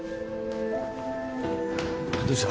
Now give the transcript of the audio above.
どうした！？